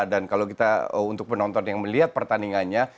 dan kalau kita untuk penonton yang melihat pertandingannya